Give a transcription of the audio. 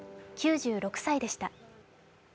９６歳でした。